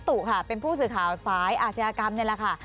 ตุค่ะเป็นผู้สื่อข่าวสายอาชญากรรมนี่แหละค่ะ